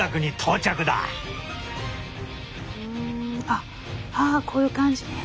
あっあこういう感じね。